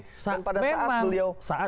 dan pada saat beliau